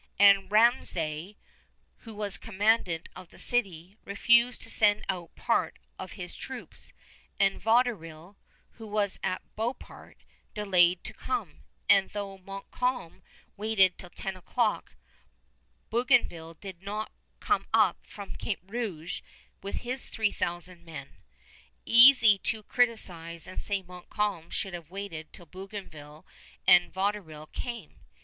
And Ramezay, who was commandant of the city, refused to send out part of his troops; and Vaudreuil, who was at Beauport, delayed to come; and though Montcalm waited till ten o'clock, Bougainville did not come up from Cape Rouge with his three thousand men. Easy to criticise and say Montcalm should have waited till Bougainville and Vaudreuil came.